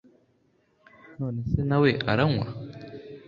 none se nawe aranywa